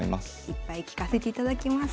いっぱい聞かせていただきます。